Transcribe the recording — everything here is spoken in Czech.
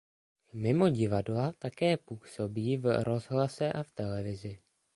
Mimo divadla také působí v rozhlase a v televizi.